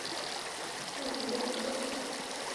萨迪拉克。